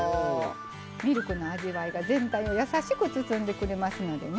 ミルクの味わいが全体を優しく包んでくれますのでね。